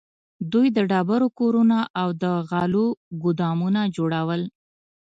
دوی د ډبرو کورونه او د غلو ګودامونه جوړول.